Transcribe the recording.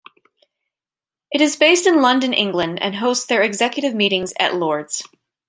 It is based in London, England, and hosts their executive meetings at Lord's.